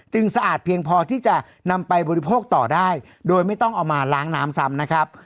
สะอาดเพียงพอที่จะนำไปบริโภคต่อได้โดยไม่ต้องเอามาล้างน้ำซ้ำนะครับ